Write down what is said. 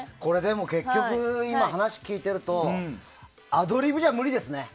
結局、今話を聞いてるとアドリブじゃ無理ですね。